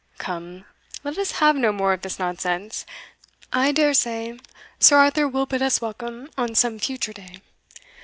Come, let us have no more of this nonsense I dare say Sir Arthur will bid us welcome on some future day.